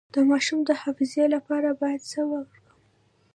د ماشوم د حافظې لپاره باید څه ورکړم؟